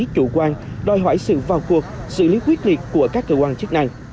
chủ quan đòi hỏi sự vào cuộc xử lý quyết liệt của các cơ quan chức năng